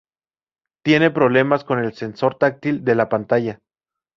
Tiene problemas con el sensor táctil de la pantalla.